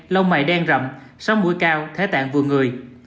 lông mày đen rậm sóng mũi cao thế tạng vừa người